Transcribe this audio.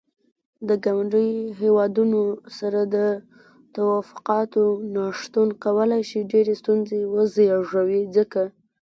د ګاونډيو هيوادونو سره د تووافقاتو نه شتون کولاي شي ډيرې ستونزې وزيږوي ځکه.